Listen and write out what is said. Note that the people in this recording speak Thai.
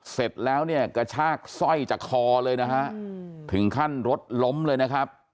เสร็จแล้วเนี่ยกระชากสร้อยจากคอเลยนะฮะถึงขั้นรถล้มเลยนะครับ